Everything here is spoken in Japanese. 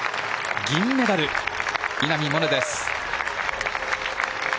銀メダル、稲見萌寧です。